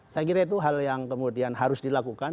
saya kira itu hal yang kemudian harus dilakukan